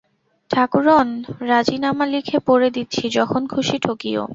ঠাকরুন, রাজিনামা লিখে-পড়ে দিচ্ছি, যখন খুশি ঠকিয়ো।